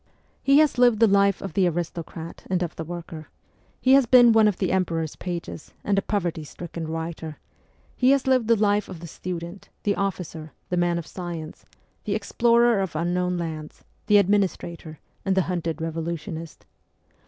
He has lived the life of the aristocrat and of the worker ; he has been one of the Emperor's pages and a poverty stricken writer ; he has lived the life of the student, the officer, the man of science, the explorer of unknown lands, the administrator, and the hunted revolutionist.